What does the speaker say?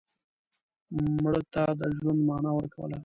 مړه ته د ژوند معنا ورکوله